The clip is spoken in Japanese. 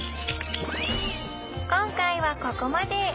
今回はここまで。